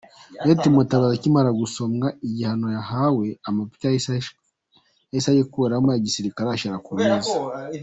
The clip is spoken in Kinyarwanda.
Lt Mutabazi akimara gusomerwa igihano ahawe, amapeti ya gisirikare yahise ayikuriramo ayashyira ku meza.